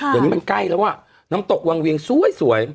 แต่วันมันใกล้แล้วว่ะน้ำตกวางเสีย